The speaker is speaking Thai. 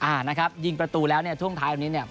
อ่านะครับยิงประตูแล้วเนี่ยช่วงท้ายวันนี้เนี่ย